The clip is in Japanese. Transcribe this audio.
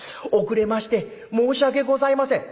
遅れまして申し訳ございません」。